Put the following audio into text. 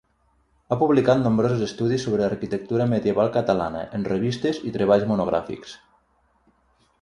Ha publicat nombrosos estudis sobre l'arquitectura medieval catalana, en revistes i treballs monogràfics.